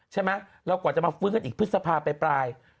ใช่ไหมเรากว่าจะมาฟื้นกันอีกพฤษภาไปปลาย